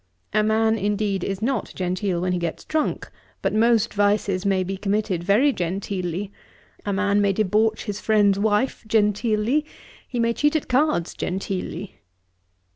A man, indeed, is not genteel when he gets drunk; but most vices may be committed very genteelly: a man may debauch his friend's wife genteely: he may cheat at cards genteelly.'